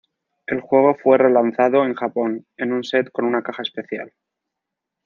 El juego fue relanzado en Japón en un set con una caja especial.